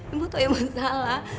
ibu tau ibu salah